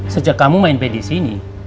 sejak kamu main bad disini